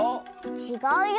ちがうよ。